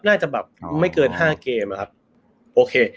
น่าจะแบบไม่เกินห้าเกมอะครับโอเค